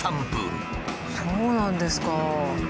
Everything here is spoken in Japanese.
そうなんですか。